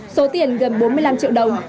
số tiền gần bốn mươi năm triệu đồng